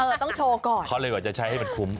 ต้องโชว์ก่อนเขาเลยกว่าจะใช้ให้มันคุ้ม